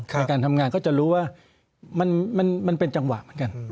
ในการทำงานก็จะรู้ว่ามันเป็นจังหวะเหมือนกัน